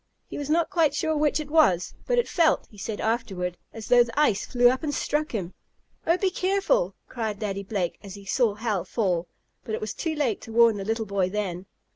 He was not quite sure which it was, but it felt, he said afterward, as though the ice flew up and struck him. "Oh, be careful!" cried Daddy Blake, as he saw Hal fall. But it was too late to warn the little boy then.